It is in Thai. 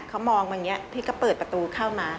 เขามองอย่างนี้พี่ก็เปิดประตูเข้ามา